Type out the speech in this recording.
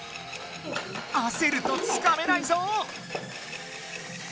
あせるとつかめないぞ！